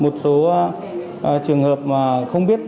một số trường hợp không biết